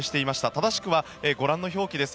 正しくはご覧の表記です。